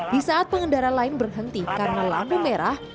di saat pengendara lain berhenti karena lampu merah